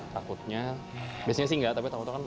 takutnya biasanya sih nggak tapi takut takut kan